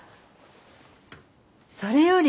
それより。